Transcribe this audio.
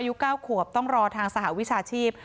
อายุ๙ขวบต้องรอทางสหวิชาชีพ